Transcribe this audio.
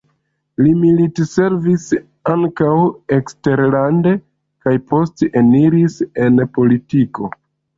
Li militservis ankaŭ eksterlande kaj poste eniris en politiko.